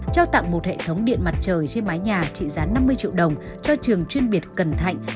trao tặng một hệ thống điện mặt trời trên mái nhà trị giá năm mươi triệu đồng cho trường chuyên biệt cần thạnh